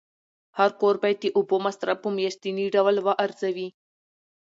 هر کور باید د اوبو مصرف په میاشتني ډول وارزوي.